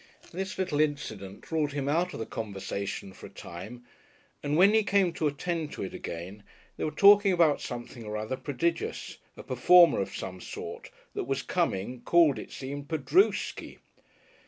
This little incident ruled him out of the conversation for a time, and when he came to attend to it again they were talking about something or other prodigious a performer of some sort that was coming, called, it seemed, "Padrooski."